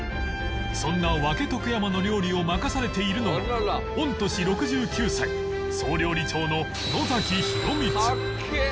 そんな分とく山の料理を任されているのが御年６９歳総料理長の野洋光